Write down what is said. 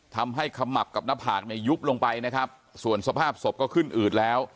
ขมับกับหน้าผากเนี่ยยุบลงไปนะครับส่วนสภาพศพก็ขึ้นอืดแล้ว